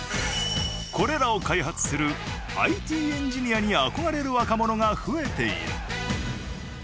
これらを開発するＩＴエンジニアに憧れる若者が増えている。